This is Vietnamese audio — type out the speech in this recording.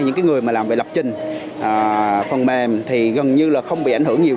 những người làm về lập trình phần mềm thì gần như không bị ảnh hưởng nhiều